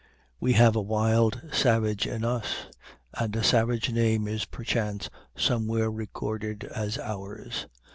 We have a wild savage in us, and a savage name is perchance somewhere recorded as ours.